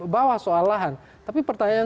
bawah soal lahan tapi pertanyaan